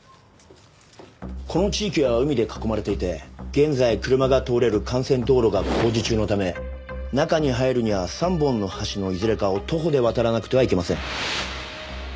この地域は海で囲まれていて現在車が通れる幹線道路が工事中のため中に入るには３本の橋のいずれかを徒歩で渡らなくてはいけません。